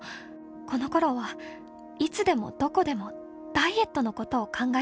この頃はいつでもどこでもダイエットの事を考えていた」。